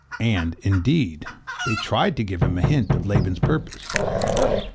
And, indeed, they tried to give him a hint of Laban's purpose.